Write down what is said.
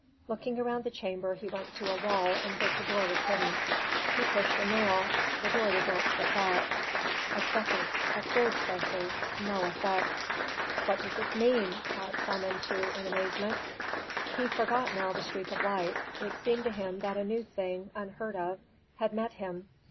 Looking around the chamber he went to a wall in which a door was hidden. He pushed a nail; the door did not slip back. A second, a third pressure no effect. "What does this mean?" thought Samentu in amazement. He forgot now the streak of light. It seemed to him that a new thing, unheard of, had met him.